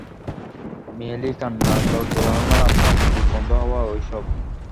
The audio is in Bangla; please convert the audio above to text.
মেয়েলি কান্না, দরজা-জানালা আপনা-আপনি বন্ধ হওয়া-এইসব।